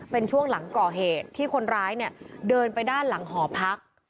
เป็นช่วงหลังก่อเหตุที่คนร้ายเนี่ยเดินไปด้านหลังหอพัก